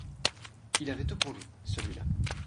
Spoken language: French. Il avait tout pour lui, celui-la